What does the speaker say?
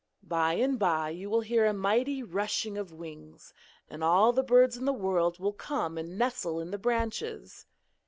By and by you will hear a mighty rushing of wings, and all the birds in the world will come and nestle in the branches.